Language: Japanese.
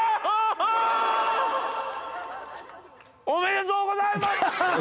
ハハ！おめでとうございます。